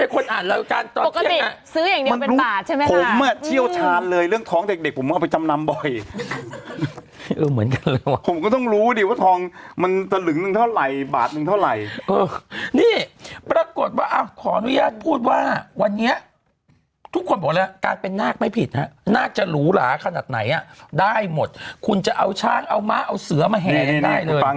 คุณลุงเดี๋ยวคุณบอกว่าไปว่านางเป็นลุงแม่เดี๋ยวตัวโรคกินหัวนะคุณลุง